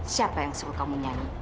siapa yang suruh kamu nyanyi